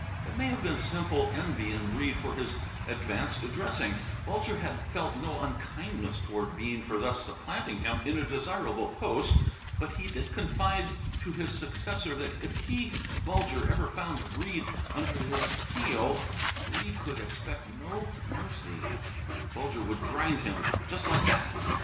It may have been simple envy in Breede for his advanced dressing. Bulger had felt no unkindness toward Bean for thus supplanting him in a desirable post. But he did confide to his successor that if he, Bulger, ever found Breede under his heel, Breede could expect no mercy. Bulger would grind him just like that!